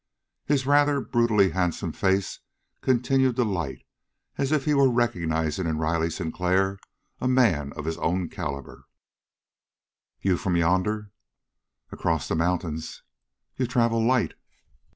His rather brutally handsome face continued to light, as if he were recognizing in Riley Sinclair a man of his own caliber. "You're from yonder?" "Across the mountains." "You travel light."